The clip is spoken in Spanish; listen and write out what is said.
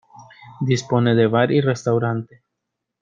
Dispone de bar y restaurante.